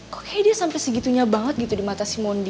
kok kayaknya dia sampai segitunya banget gitu di mata si mondi